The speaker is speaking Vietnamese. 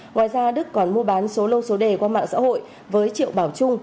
ngoài ra đức còn mua bán số lô số đề qua mạng xã hội với triệu bảo trung